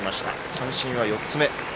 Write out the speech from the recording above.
三振は４つ目。